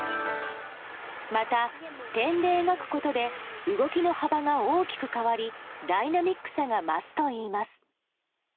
また、点で描くことで動きの幅が大きく変わりダイナミックさが増すといいます。